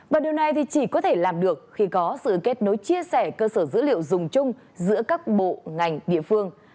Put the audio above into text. và điều này thì chỉ có thể làm được khi có sự kết nối chia sẻ cơ sở dữ liệu dùng chung giữa các bộ ngành địa phương